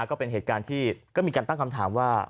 ก็เป็นเหตุการณ์ที่ก็มีการตั้งคำถามว่า